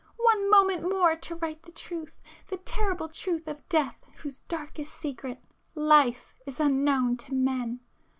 ... one moment more to write the truth,—the terrible truth of Death whose darkest secret, Life, is unknown to men!